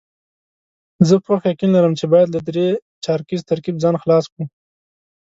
زه پوخ یقین لرم چې باید له درې چارکیز ترکیب ځان خلاص کړو.